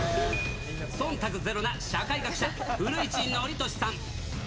そんたくゼロな社会学者、古市憲寿さん。